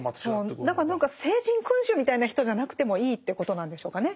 何か聖人君子みたいな人じゃなくてもいいっていうことなんでしょうかね。